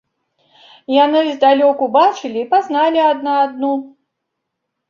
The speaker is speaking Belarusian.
Яны здалёк убачылі і пазналі адна адну.